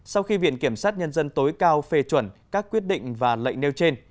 sau khi viện kiểm sát nhân dân tối cao phê chuẩn các quyết định và lệnh nêu trên